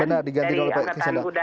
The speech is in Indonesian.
benar diganti oleh pak kisenda